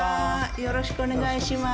よろしくお願いします。